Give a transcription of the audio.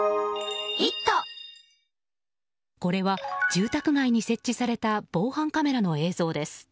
これは住宅街に設置された防犯カメラの映像です。